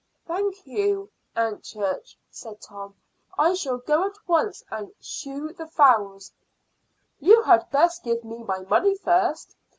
"Thank you, Aunt Church," said Tom. "Shall I go at once and shoo the fowls?" "You had best give me my money first.